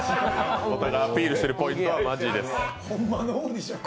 アピールしてるポイントはマジです。